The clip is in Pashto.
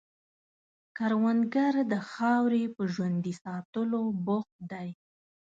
کروندګر د خاورې په ژوندي ساتلو بوخت دی